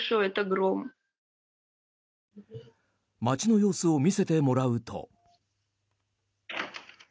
街の様子を見せてもらうと。